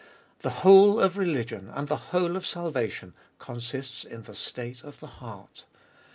The whole of religion, and the whole of salvation, consists in the state of the heart.